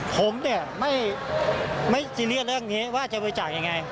ผมเนี่ยไม่ซีเรียสเรื่องนี้ว่าจะบริจาคยังไง